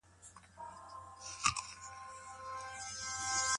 ډګر څېړنه د خلکو له ژوند سره مخامخ اړیکه لري.